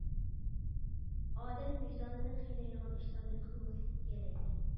ئادەم ۋىجدانىنى قىينايدىغان ئىشلارنى قىلماسلىقى كېرەك.